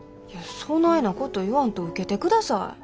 いやそないなこと言わんと受けてください。